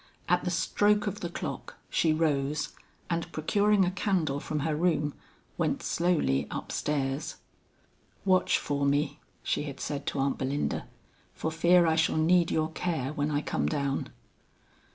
At the stroke of the clock, she rose, and procuring a candle from her room, went slowly up stairs. "Watch for me," she had said to Aunt Belinda, "for I fear I shall need your care when I come down."